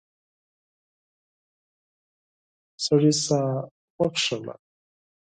سړی ساه وکیښله.